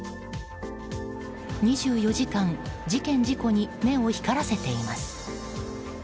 ２４時間、事件・事故に目を光らせています。